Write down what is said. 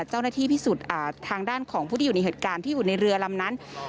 เจ้าหน้าที่พิสูจน์ทางด้านของผู้ที่อยู่ในเหตุการณ์ที่อยู่ในเรือลำนั้น